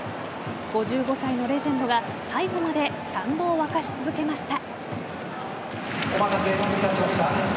５５歳のレジェンドが最後までスタンドを沸かし続けました。